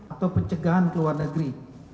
atau pencegahan ke luar negeri